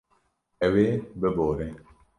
Ew ê bibore.